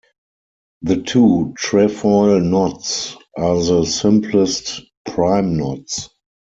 The two trefoil knots are the simplest prime knots.